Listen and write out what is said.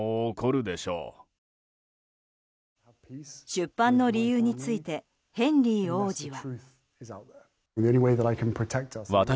出版の理由についてヘンリー王子は。